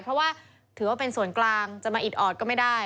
เพราะว่าถือว่าเป็นส่วนกลางจะมาอิดออดก็ไม่ได้